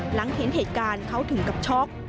เห็นเหตุการณ์เขาถึงกับช็อก